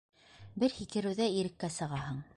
Бер һикереүҙә иреккә сығаһың.